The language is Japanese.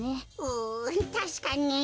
うたしかに。